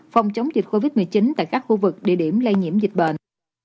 phòng chống dịch covid một mươi chín tại các khu vực địa điểm lây nhiễm dịch bệnh